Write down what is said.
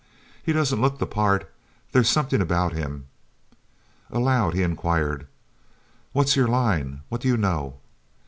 He doesn't look the part; there's something about him...." Aloud he inquired: "What's your line? What do you know?"